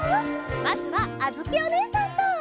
まずはあづきおねえさんと！